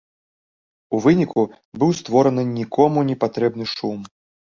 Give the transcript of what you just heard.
У выніку, быў створаны нікому не патрэбны шум.